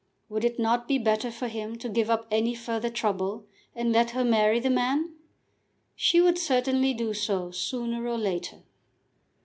Would it not be better for him to give up any further trouble, and let her marry the man? She would certainly do so sooner or later.